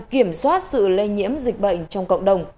kiểm soát sự lây nhiễm dịch bệnh trong cộng đồng